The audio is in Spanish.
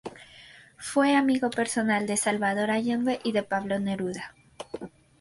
Fue amigo personal de Salvador Allende y de Pablo Neruda.